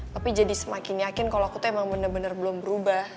tapi jadi semakin yakin kalau aku tuh emang bener bener belum berubah